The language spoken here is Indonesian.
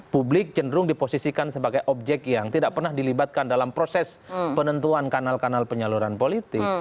publik cenderung diposisikan sebagai objek yang tidak pernah dilibatkan dalam proses penentuan kanal kanal penyaluran politik